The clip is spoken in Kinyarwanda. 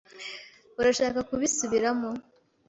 Urashaka kubisubiramo?